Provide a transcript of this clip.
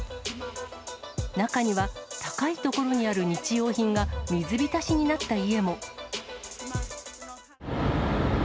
中には高いところにある日用品が水浸しになった家も。